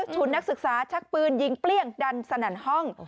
นักศึกษาชักปืนยิงเปรี้ยงดันสนั่นห้อง